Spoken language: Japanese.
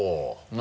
何？